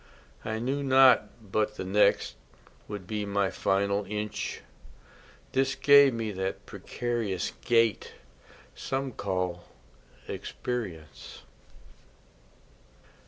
I knew not but the next Would be my final inch, This gave me that precarious gait Some call experience.